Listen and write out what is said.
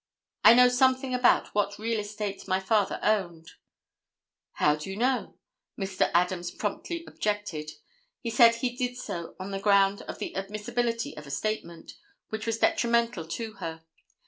I know something about what real estate my father owned." "How do you know?" Mr. Adams promptly objected. He said he did so on the ground of the admissibility of a statement, which was detrimental to her.